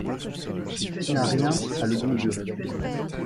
Qui n’a rien a le bon Dieu.